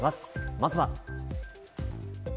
まずは。